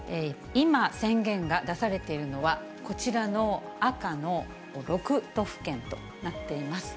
今、宣言が出されているのは、こちらの赤の６都府県となっています。